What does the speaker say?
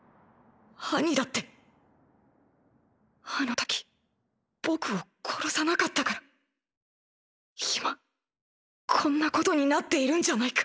アニだってあの時僕を殺さなかったから今こんなことになっているんじゃないか。